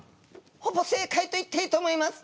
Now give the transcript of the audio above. ほぼ正解と言っていいと思います。